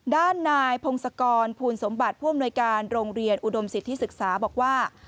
ด้านนายพงศกรภูลสมบัติผู้อำนวยการโรงเรียนอุดมสิทธิศึกษาบอกว่า